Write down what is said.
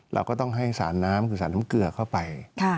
เราก็ต้องให้สารน้ำคือสารน้ำเกลือเข้าไป